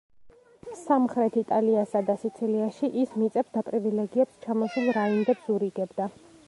სამხრეთ იტალიასა და სიცილიაში ის მიწებს და პრივილეგიებს ჩამოსულ რაინდებს ურიგებდა.